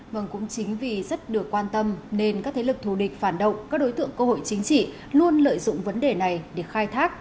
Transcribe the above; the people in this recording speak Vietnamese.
vâng cũng chính vì rất được quan tâm nên các thế lực thù địch phản động các đối tượng cơ hội chính trị luôn lợi dụng vấn đề này để khai thác